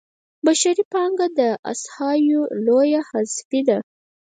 بشري پانګه احصایو لویه حذفي ده.